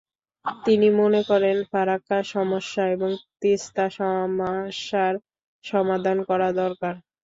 তিনি মনে করেন, ফারাক্কা সমস্যা এবং তিস্তা সমস্যার সমাধান করা দরকার।